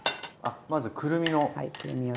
まずくるみを。